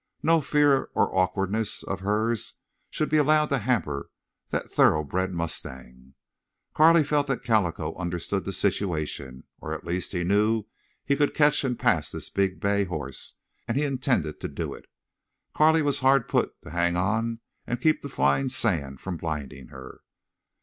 No fear or awkwardness of hers should be allowed to hamper that thoroughbred mustang. Carley felt that Calico understood the situation; or at least he knew he could catch and pass this big bay horse, and he intended to do it. Carley was hard put to it to hang on and keep the flying sand from blinding her.